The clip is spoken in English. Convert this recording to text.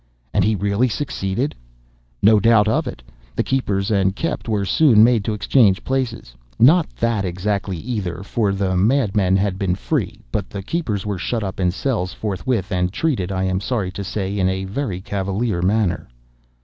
"And he really succeeded?" "No doubt of it. The keepers and kept were soon made to exchange places. Not that exactly either—for the madmen had been free, but the keepers were shut up in cells forthwith, and treated, I am sorry to say, in a very cavalier manner."